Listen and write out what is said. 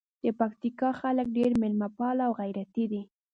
د پکتیکا خلګ ډېر میلمه پاله او غیرتي دي.